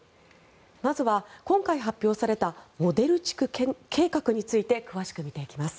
まずは今回発表されたモデル地区計画について詳しく見ていきます。